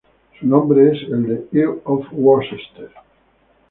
Su nombre es el de "Earl of Worcester".